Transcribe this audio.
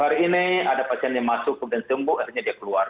hari ini ada pasien yang masuk kemudian sembuh akhirnya dia keluar